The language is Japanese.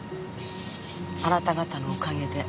あなた方のおかげで。